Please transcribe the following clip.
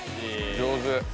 上手。